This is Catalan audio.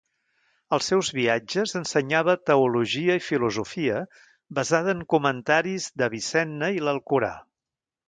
Als seus viatges ensenyava teologia i filosofia, basada en comentaris d'Avicenna i l'Alcorà.